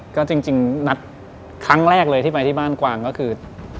ก็จริงนัดครั้งแรกเลยที่ไปที่บ้านกวางก็คือ